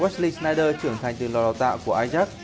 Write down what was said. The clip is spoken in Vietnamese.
snyder trưởng thành từ lò đào tạo của ajax